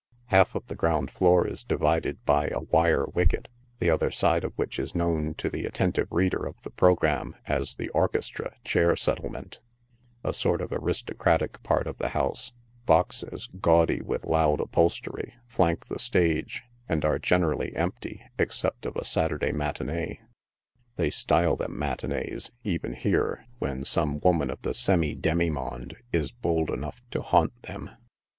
Half of the ground floor is di vided by a wire wicket, the other side of which is known to the at tentive reader of the programme as the orchestra chair settlement —a sort of aristocratic part of the house ; boxes, gaudy with loud upholstery, flank the stage, and are generally empty, except of a Saturday matinee— they style them matinees, even here— when some woman of the semi demi monde is bold enough to haunt them.